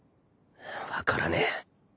分からねえ